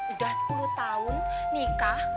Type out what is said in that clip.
udah sepuluh tahun nikah